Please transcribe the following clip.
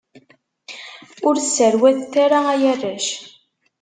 Ur sserwatet ara ay arrac!